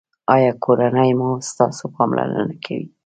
ایا کورنۍ مو ستاسو پاملرنه کوي؟